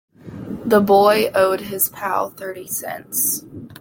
The boy owed his pal thirty cents.